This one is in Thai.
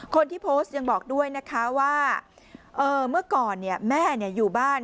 คนที่โพสต์ยังบอกด้วยนะคะว่าเอ่อเมื่อก่อนเนี่ยแม่เนี่ยอยู่บ้าน